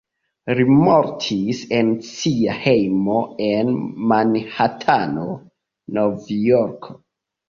Li mortis en sia hejmo en Manhatano, Novjorko.